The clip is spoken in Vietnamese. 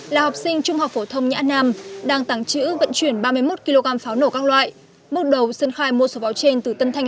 đang tàng trữ vận chuyển ba mươi một kg pháo nổ các loại mốt đầu sơn khai mua số pháo trên từ tân thanh